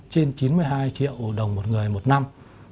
trên chín mươi hai triệu đồng một người một năm